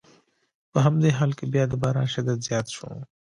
په همدې حال کې بیا د باران شدت زیات شو.